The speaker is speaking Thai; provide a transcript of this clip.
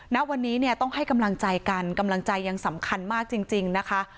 ณวันนี้เนี่ยต้องให้กำลังใจกันกำลังใจยังสำคัญมากจริงนะคะ